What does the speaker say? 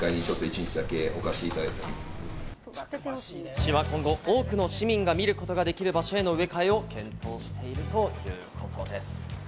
市は今後、多くの市民が見ることができる場所への植え替えを検討しているということです。